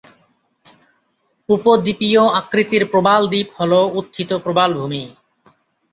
উপদ্বীপীয় আকৃতির প্রবাল দ্বীপ হল উত্থিত প্রবাল ভূমি।